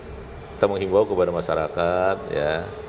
kita menghimbau kepada masyarakat ya